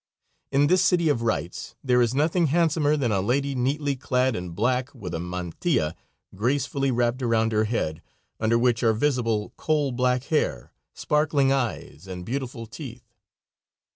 In this city of rights there is nothing handsomer than a lady neatly clad in black with a mantilla gracefully wrapped around her head, under which are visible coal black hair, sparkling eyes, and beautiful teeth.